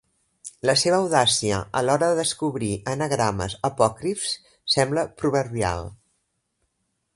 La seva audàcia a l'hora de descobrir anagrames apòcrifs sembla proverbial.